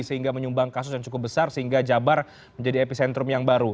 sehingga menyumbang kasus yang cukup besar sehingga jabar menjadi epicentrum yang baru